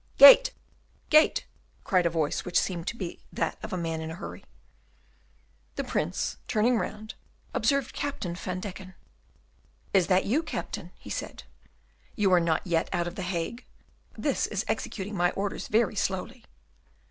"Gate! gate!" cried a voice which seemed to be that of a man in a hurry. The Prince, turning round, observed Captain Van Deken. "Is that you, Captain?" he said. "You are not yet out of the Hague? This is executing my orders very slowly."